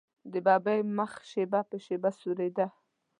د ببۍ مخ شېبه په شېبه سورېده.